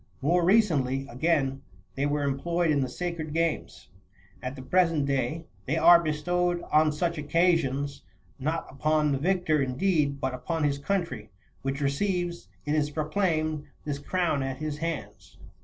More recently, again, they were employed in the sacred games;28 and at the present day they are be stowed on such occasions, not upon the victor, indeed, but upon his country, which receives, it is proclaimed, this crown at his hands.